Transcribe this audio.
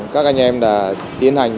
các anh em đã tiến hành